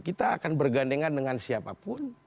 kita akan bergandengan dengan siapapun